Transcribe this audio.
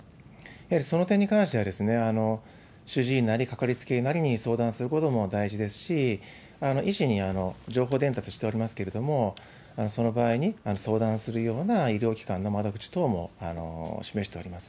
やはりその点に関しては、主治医なり掛かりつけ医なりに相談することも大事ですし、医師に情報伝達しておりますけれども、その場合に相談するような医療機関の窓口等も示しております。